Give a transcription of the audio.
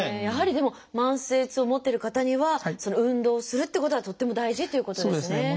やはりでも慢性痛を持ってる方には運動をするっていうことはとっても大事ということですね。